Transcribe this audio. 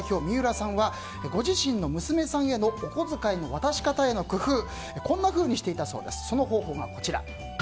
三浦さんはご自身の娘さんへのお小遣いの渡し方への工夫こんなふうにしていたそうです。